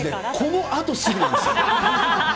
このあとすぐなんです。